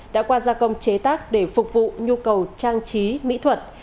đã qua gia công chế tác để phục vụ nhu cầu trang trí mỹ thuật